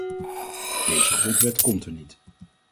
Deze grondwet komt er niet.